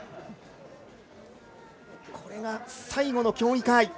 これが、最後の競技会。